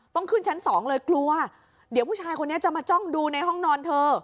ต้องขึ้นชั้นสองเลยกลัวเดี๋ยวผู้ชายคนนี้จะมาจ้องดูในห้องนอนเธอ